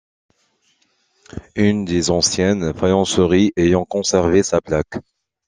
Une des anciennes faïenceries, ayant conservé sa plaque.